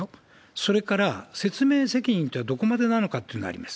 それから、説明責任とはどこまでなのかっていうのがあります。